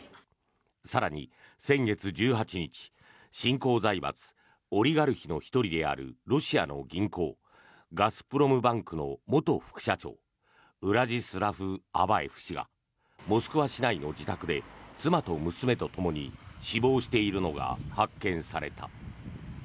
更に、先月１８日新興財閥オリガルヒの１人であるロシアの銀行ガスプロムバンクの元副社長ウラジスラフ・アバエフ氏がモスクワ市内の自宅で妻と娘とともに死亡しているのが発見された。